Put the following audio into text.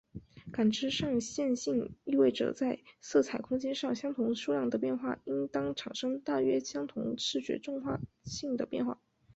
感知上线性意味着在色彩空间上相同数量的变化应当产生大约相同视觉重要性的变化。